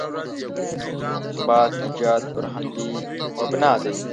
ثبات ایجاد پر همدې مبنا دی.